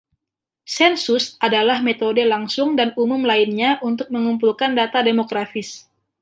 Sensus adalah metode langsung dan umum lainnya untuk mengumpulkan data demografis.